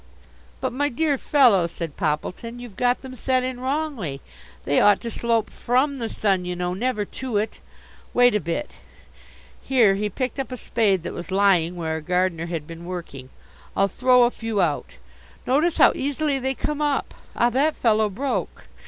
"But my dear fellow," said Poppleton, "you've got them set in wrongly. They ought to slope from the sun you know, never to it. Wait a bit" here he picked up a spade that was lying where a gardener had been working "I'll throw a few out. Notice how easily they come up. Ah, that fellow broke!